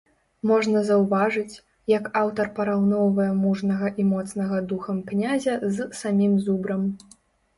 Можна заўважыць, як аўтар параўноўвае мужнага і моцнага духам князя з самім зубрам.